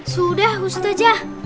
sudah ustaz jah